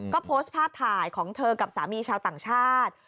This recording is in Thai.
ก็โพสต์ภาพถ่ายของเธอกับสามีชาวต่างชาติ